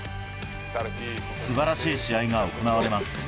すばらしい試合が行われます。